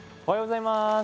おはようございます。